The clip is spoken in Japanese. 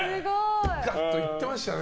ガッといってましたね。